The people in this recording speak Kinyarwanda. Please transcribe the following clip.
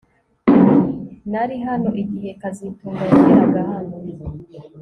Nari hano igihe kazitunga yageraga hano